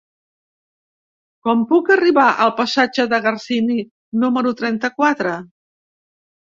Com puc arribar al passatge de Garcini número trenta-quatre?